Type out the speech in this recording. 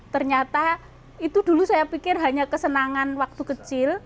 ternyata itu dulu saya pikir hanya kesenangan waktu kecil